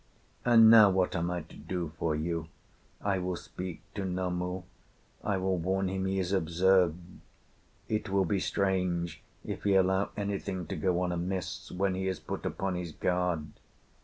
"And now what am I to do for you? I will speak to Namu, I will warn him he is observed; it will be strange if he allow anything to go on amiss when he is put upon his guard.